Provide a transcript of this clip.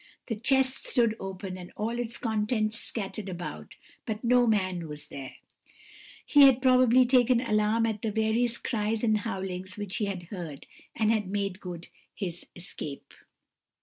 The chest stood open, and all its contents scattered about, but no man was there; he had probably taken alarm at the various cries and howlings which he had heard, and had made good his escape.